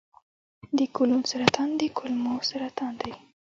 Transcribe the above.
د کولون سرطان د کولمو سرطان دی.